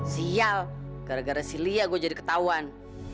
sial gara gara si lia gue jadi ketahuan